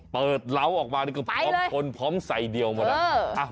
เล้าออกมานี่ก็พร้อมชนพร้อมใส่เดียวหมดแล้ว